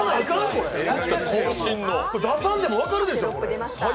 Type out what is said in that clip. これ、出さんでも分かるでしょう。